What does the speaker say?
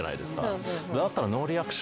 だったら。